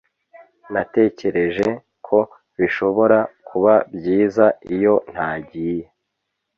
Natekereje ko bishobora kuba byiza iyo ntagiye